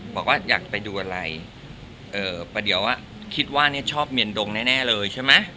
บอกว่าอยากไปดูอะไรประเดี๋ยวคิดว่าเนี่ยชอบเมียนดงแน่เลยใช่ไหม